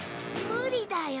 無理だよ。